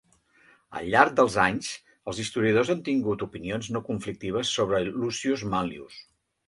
Al llar dels anys, els historiadors han tingut opinions no conflictives sobre Lucius Manlius.